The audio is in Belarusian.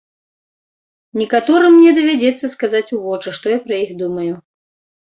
Некаторым мне давядзецца сказаць у вочы, што я пра іх думаю.